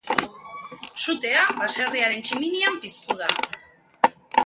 Sutea baserriaren tximinian piztu da.